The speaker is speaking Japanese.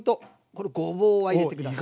これごぼうは入れて下さい。